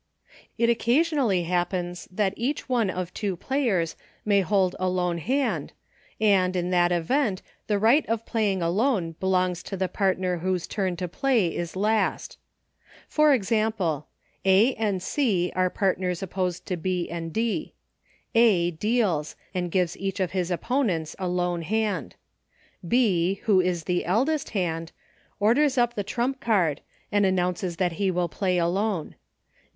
It occasionally happens that each one of two partners may hold a lone hand, and in that event the right of Playing Alone belongs to the partner whose turn to play is last. For 48 EUCHRE. example: A and C are partners opposed to B and D. A deals and gives each of his oppo nents a lone hand. B ; who is the eldest hand, orders up the trump card, and announces that he will Play Alone.